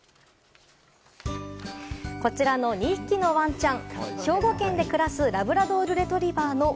こちらの２匹のワンちゃん。